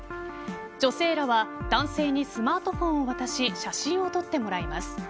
女性らは男性にスマートフォンを渡し写真を撮ってもらいます。